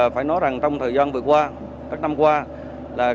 phải nói rằng trong thời gian vừa qua các năm qua